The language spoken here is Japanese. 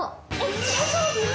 大丈夫？